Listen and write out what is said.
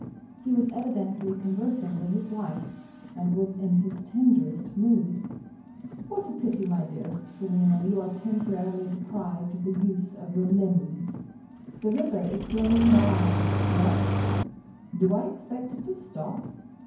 He was evidently conversing with his wife, and was in his tenderest mood. [Illustration: MR. JEROME BROOKE HOSKYN, AT HIS EASE] "What a pity, my dearest Selina, you are temporarily deprived of the use of your limbs! The river is flowing by—What? Do I expect it to stop?